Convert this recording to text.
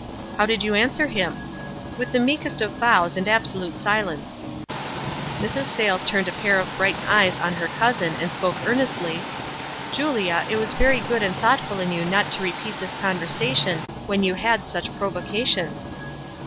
"How did you answer him?" "With the meekest of bows, and absolute si lence." Mrs. Sayles turned a pair of bright eyes on her cousin, and spoke earnestly, — "Julia, it was very good and thoughtful in you not to repeat this conversation, when you had such provocation."